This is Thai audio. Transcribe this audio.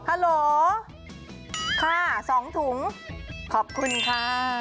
ฮัลโหลค่ะ๒ถุงขอบคุณค่ะ